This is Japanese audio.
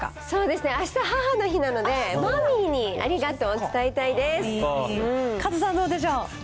そうですね、あした、母の日なので、マミーにありがとカズさん、どうでしょう。